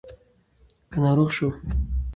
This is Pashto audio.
که ناروغ شوې